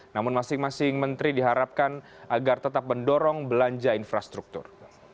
namun masing masing menteri diharapkan agar tetap mendorong belanja infrastruktur